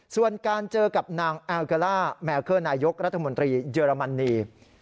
ส่วนการเจอกับนางแอลกาล่าแมวเคอร์นายกรัฐมนตรีเยอรมนี